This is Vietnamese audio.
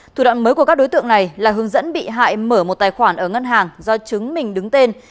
thủ đoạn mới của các đối tượng này là hướng dẫn bị hại mở một tài khoản ở ngân hàng do chính mình đứng tên